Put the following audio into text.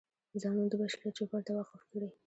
ځانونه د بشریت چوپړ ته وقف کړي.